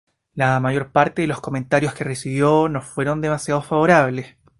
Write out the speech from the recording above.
La mayor parte de los comentarios que recibió no fueron demasiado favorables.